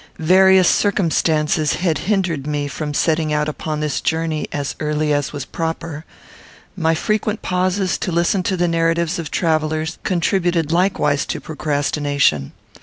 Various circumstances had hindered me from setting out upon this journey as early as was proper. My frequent pauses to listen to the narratives of travellers contributed likewise to procrastination.